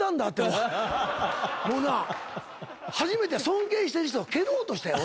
もうな初めて尊敬してる人を蹴ろうとしたよ